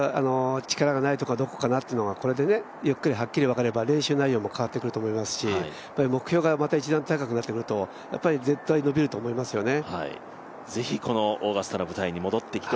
自分でまだまだ力がないところはどこかなとゆっくりはっきり分かれば練習内容も変わってくると思いますし、目標が一段と高くなってくると絶対伸びると思いますよね。